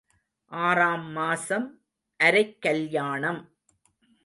ஆறாம் மாசம் அரைக் கல்யாணம்.